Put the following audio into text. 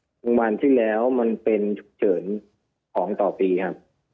โรงพยาบาลที่แล้วมันเป็นฉุกเฉินของต่อปีครับ